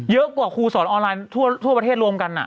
เยอะกว่าครูสอนออนไลน์ทั่วประเทศรวมกัน